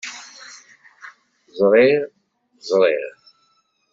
Zriɣ…Zriɣ…